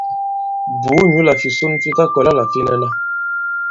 Bùu nyǔ àlà fìson fi ta-kɔ̀la là fi nɛnɛ.